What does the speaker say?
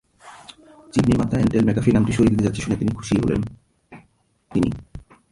Chip নির্মাতা Intel McAfee নামটি সরিয়ে দিতে যাচ্ছে শুনে খুশিই হয়েছেন তিনি।